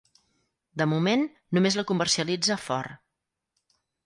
De moment, només la comercialitza Ford.